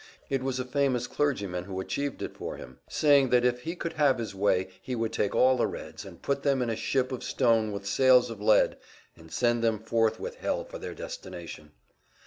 It was a famous clergyman who achieved it for him saying that if he could have his way he would take all the Reds, and put them in a ship of stone with sails of lead, and send them forth with hell for their destination.